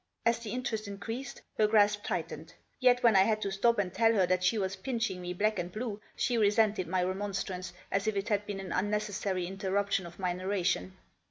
As the interest increased her grasp tightened. Yet when I had to stop and tell her that site was pinching me black and blue, she resented my remonstrance as if it had been an unnecessary Interruption of my narration.